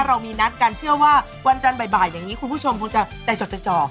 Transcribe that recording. เรามีนัดกันเชื่อว่าวันจันทร์บ่ายอย่างนี้คุณผู้ชมคงจะใจจดใจจ่อ